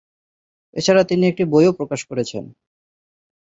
এছাড়া তিনি একটি বইও প্রকাশ করেছেন।